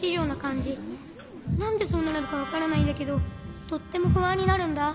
なんでそうなるのかわからないんだけどとってもふあんになるんだ。